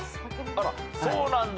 あらそうなんだ。